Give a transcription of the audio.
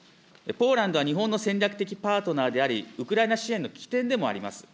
ポーランドは日本の戦略的パートナーであり、ウクライナ支援の起点でもあります。